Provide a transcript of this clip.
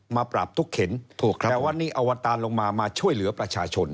มาปราบทุกเข็ญแหละว่านี่อวตารลงมามาช่วยเหลือประชาชน